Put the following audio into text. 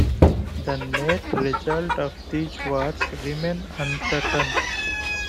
The net result of these wars remains uncertain.